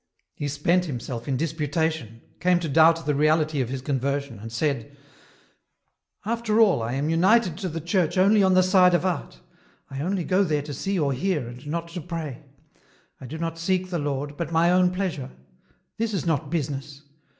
He spent himself in disputation, came to doubt the reality of his con version, and said :" After all I am united to the church only on the side of art. I only go there to see or hear and not to pray ; I do not seek the Lord, but my own pleasure. This is not business.